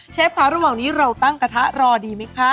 ค่ะระหว่างนี้เราตั้งกระทะรอดีไหมคะ